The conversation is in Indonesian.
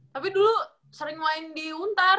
tapi dulu sering main di huntar